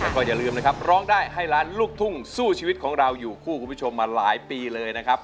แล้วก็อย่าลืมนะครับร้องได้ให้ล้านลูกทุ่งสู้ชีวิตของเราอยู่คู่คุณผู้ชมมาหลายปีเลยนะครับ